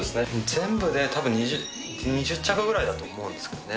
全部でたぶん、２０着ぐらいだと思うんですけどね。